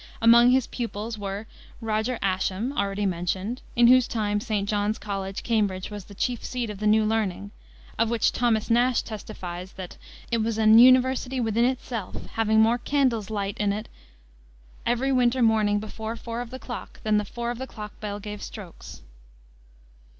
Among his pupils was Roger Ascham, already mentioned, in whose time St. John's College, Cambridge, was the chief seat of the new learning, of which Thomas Nash testifies that it "was as an universitie within itself; having more candles light in it, every winter morning before four of the clock, than the four of clock bell gave strokes."